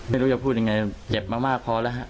ไม่รู้จะพูดยังไงเจ็บมากพอแล้วฮะ